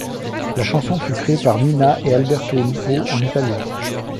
La chanson fut créée par Mina et Alberto Lupo en italien.